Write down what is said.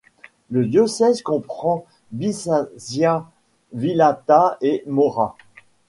Le diocèse comprend Bisaccia, Vallata et Morra.